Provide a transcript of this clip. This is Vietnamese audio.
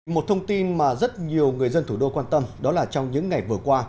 một thông tin mà rất nhiều người dân thủ đô quan tâm đó là trong những ngày vừa qua